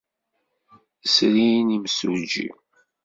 Srin imsujji.